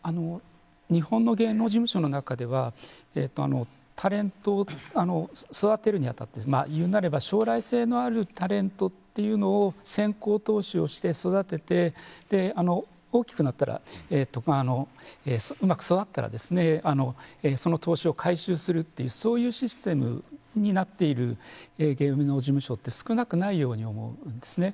日本の芸能事務所の中では座っているに当たって言うなれば将来性のあるタレントというのを先行投資をして育てて大きくなったら、うまく育ったらその投資を回収するというそういうシステムになっている芸能事務所って少なくないように思うんですね。